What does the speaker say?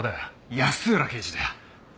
安浦刑事だよ！